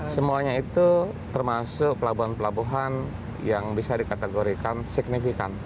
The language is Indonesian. semuanya itu termasuk pelabuhan pelabuhan yang bisa dikategorikan signifikan